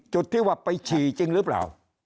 จุดที่ว่าไปฉี่จริงหรือเปล่า